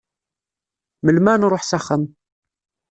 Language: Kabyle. Melmi ad nruḥ s axxam?